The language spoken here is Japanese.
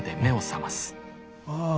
ああ。